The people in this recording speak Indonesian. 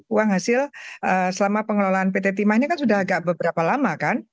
uang hasil selama pengelolaan pt timah ini kan sudah agak beberapa lama kan